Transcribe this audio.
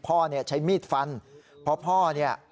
เพราะพ่อเนี่ย